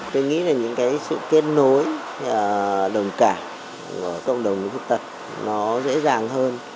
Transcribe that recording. tôi nghĩ là những cái sự kết nối đồng cảm của cộng đồng thực tập nó dễ dàng hơn